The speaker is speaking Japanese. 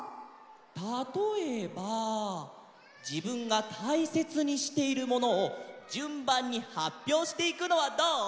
たとえばじぶんがたいせつにしているものをじゅんばんにはっぴょうしていくのはどう？